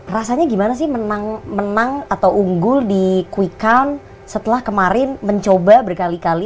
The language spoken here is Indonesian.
rasanya gimana sih menang menang atau unggul di quick count setelah kemarin mencoba berkali kali